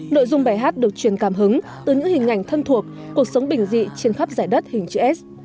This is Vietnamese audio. nội dung bài hát được truyền cảm hứng từ những hình ảnh thân thuộc cuộc sống bình dị trên khắp giải đất hình chữ s